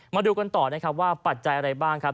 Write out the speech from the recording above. มาดูกันต่อนะครับว่าปัจจัยอะไรบ้างครับ